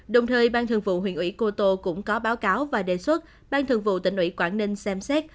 đồng thời ban thường vụ huyện ủy cô tô cũng có báo cáo và đề xuất ban thường vụ tỉnh ủy quảng ninh xem xét